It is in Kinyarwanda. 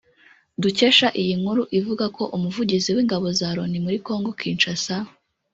dukesha iyi nkuru ivuga ko umuvugizi w’ingabo za Loni muri Congo Kinshasa